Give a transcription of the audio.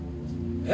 え？